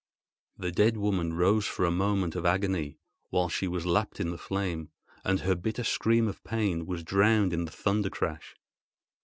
The dead woman rose for a moment of agony, while she was lapped in the flame, and her bitter scream of pain was drowned in the thundercrash.